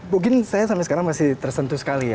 mungkin saya sampai sekarang masih tersentuh sekali ya